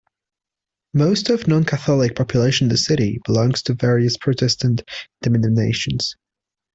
Most of non-Catholic population in the city belongs to various Protestant denominations.